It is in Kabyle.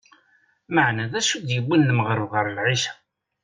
Maɛna d acu d-yewwin lmeɣreb ɣer lɛica ?